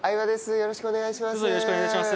よろしくお願いします。